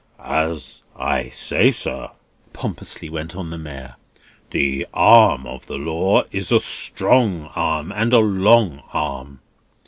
"As I say, sir," pompously went on the Mayor, "the arm of the law is a strong arm, and a long arm.